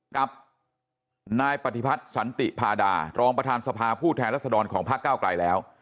กับนายปฏิพัฒน์สันติพาดารองประธานสภาผู้แทนรัศดรของพระเก้าไกลแล้ว